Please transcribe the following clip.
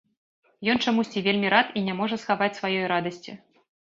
Ён чамусьці вельмі рад і не можа схаваць сваёй радасці.